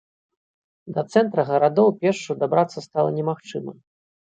Да цэнтра гарадоў пешшу дабрацца стала немагчыма.